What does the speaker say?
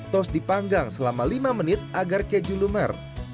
tos dipanggang selama lima menit agar keju lumer